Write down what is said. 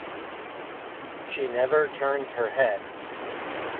She never turns her head.